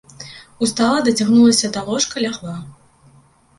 Устала, дацягнулася да ложка, лягла.